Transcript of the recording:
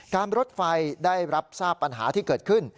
รถไฟได้รับทราบปัญหาที่เกิดขึ้น